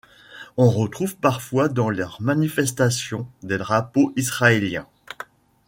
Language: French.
On retrouve parfois dans leurs manifestations des drapeaux israéliens.